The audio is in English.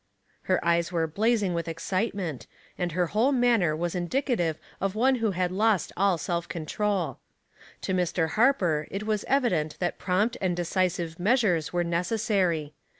Her eyes were blazing with excitement, and her whole manner was indicative of one who had lost all self control. To Mr. Harper it was evident that prompt and decisive measures were necessary.